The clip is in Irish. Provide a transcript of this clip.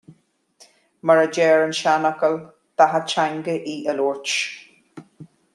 Mar a deir an seanfhocal "Beatha Teanga í a Labhairt".